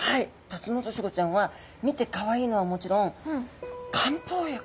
タツノオトシゴちゃんは見てかわいいのはもちろん漢方薬？